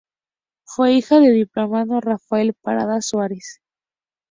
Fue hija del diplomático Rafael Parada Suárez.